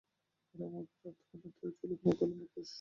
ওর মুখের আধখানাতে ছিল কালো মুখোশ।